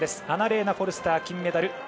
アナレーナ・フォルスター金メダル